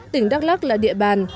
tỉnh đắk lắc là địa bàn